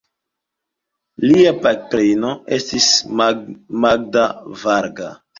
Lia patrino estis Magda Varga.